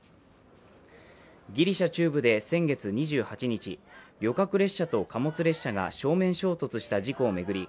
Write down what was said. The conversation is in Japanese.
ギリシャ中部で先月２８日、旅客列車と貨物列車が正面衝突した事故を巡り